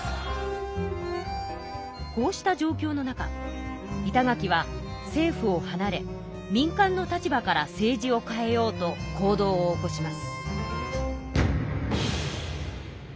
こうした状況の中板垣は政府をはなれ民間の立場から政治を変えようと行動を起こします。